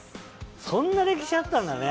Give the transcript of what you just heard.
そんな歴史あったんだね！